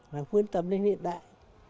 là vươn tầm lên hiện đại